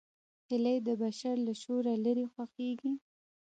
هیلۍ د بشر له شوره لیرې خوښېږي